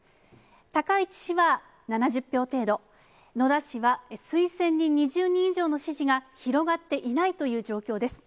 高市氏は７０票程度、野田氏は推薦人２０人以上の支持が広がっていないという状況です。